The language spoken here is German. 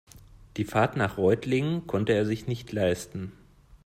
Die Fahrt nach Reutlingen konnte er sich nicht leisten